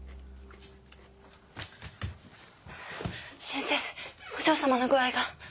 先生お嬢様の具合が。